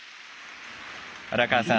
荒川さん